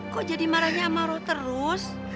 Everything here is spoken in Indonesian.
kok jadi marahnya sama roh terus